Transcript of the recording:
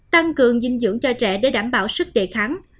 tăng cường dinh dưỡng cho trẻ để đảm bảo sức đề kháng